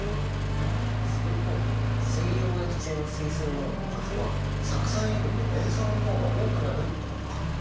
すると水溶液中の水素イオンの数は酢酸よりも塩酸の方が多くなるってことか！